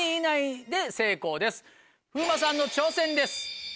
風磨さんの挑戦です。